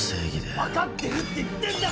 分かってるって言ってんだろ！